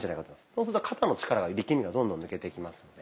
そうすると肩の力が力みがどんどん抜けていきますので。